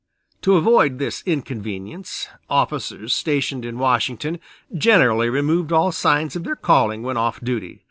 To avoid this inconvenience officers stationed in Washington generally removed all signs of their calling when off duty.